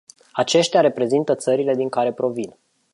Aceștia reprezintă țările din care provin.